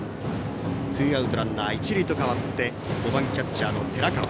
ツーアウトランナー、一塁と変わって５番キャッチャーの寺川。